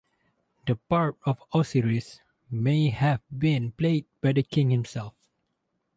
The part of Osiris may have been played by the king himself.